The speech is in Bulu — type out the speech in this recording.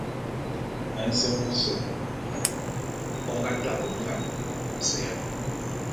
Nsem ôse ô nga to be nlam ô vaseya.